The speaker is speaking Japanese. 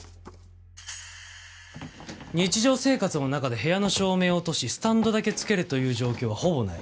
日常生活の中で部屋の照明を落としスタンドだけつけるという状況はほぼない。